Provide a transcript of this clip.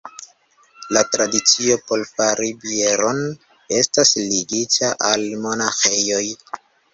La tradicio por fari bieron estas ligita al monaĥejoj.